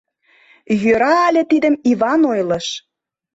Йӧра але тидым Иван ойлыш.